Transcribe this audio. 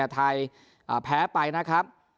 ไทยแพ้ไปนะครับ